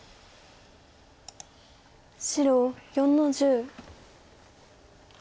白４の十。